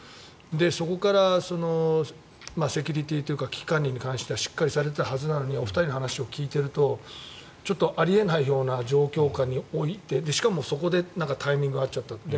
そこからセキュリティーというか危機管理に関してはしっかりされていたはずなのにお二人の話を聞いてるとちょっとあり得ないような状況下でしかもそこでタイミングが合っちゃったって。